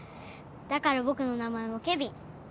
だから僕の名前も華瓶。